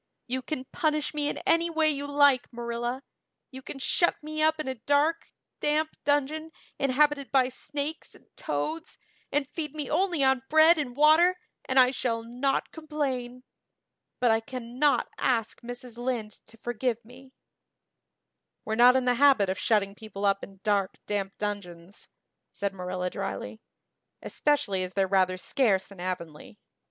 "You can punish me in any way you like, Marilla. You can shut me up in a dark, damp dungeon inhabited by snakes and toads and feed me only on bread and water and I shall not complain. But I cannot ask Mrs. Lynde to forgive me." "We're not in the habit of shutting people up in dark damp dungeons," said Marilla drily, "especially as they're rather scarce in Avonlea.